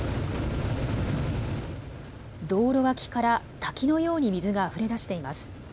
道路脇から滝のように水があふれ出しています。